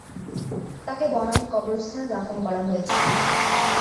তাকে বনানী কবরস্থানে দাফন করা হয়েছিল।